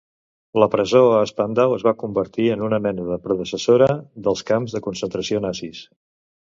La presó a Spandau es va convertir en una mena de predecessora dels camps de concentració nazis.